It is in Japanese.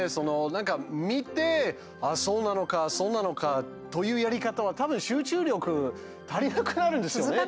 なんか、見てあ、そうなのか、そうなのかというやり方は、たぶん集中力、足りなくなるんですよね。